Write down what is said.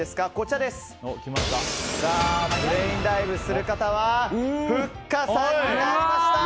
ブレインダイブする方はふっかさんになりました。